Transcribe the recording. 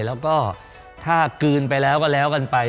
แล้วก็ถ้ากลืนไปแล้วก็แล้วกันไป